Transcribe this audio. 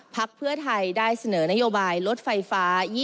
พักเพื่อไทยได้เสนอนโยบายลดไฟฟ้า